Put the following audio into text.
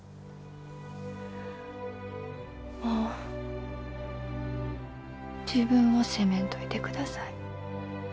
もう自分を責めんといてください。